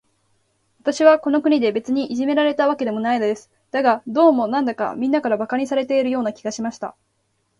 私はこの国で、別にいじめられたわけではないのです。だが、どうも、なんだか、みんなから馬鹿にされているような気がしました。